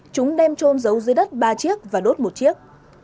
chúng đem trôn giấu dưới đất ba chiếc và đốt một chiếc